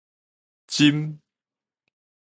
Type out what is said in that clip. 唚